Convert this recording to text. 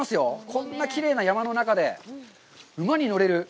こんなきれいな山の中で馬に乗れる。